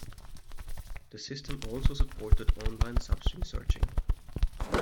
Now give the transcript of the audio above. The system also supported on-line substring searching.